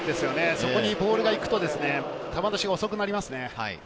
そこにボールが行くと球出しが遅くなりますね。